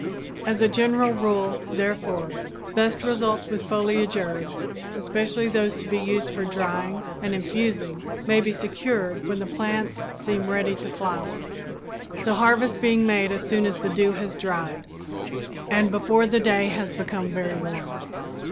As a general rule, therefore, best results with foliage herbs, especially those to be used for drying and infusing, may be secured when the plants seem ready to flower, the harvest being made as soon as the dew has dried and before the day has become very warm.